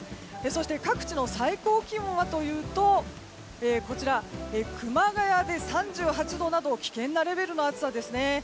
そして各地の最高気温はというと熊谷で３８度など危険なレベルの暑さですね。